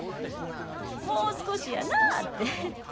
もう少しやなって。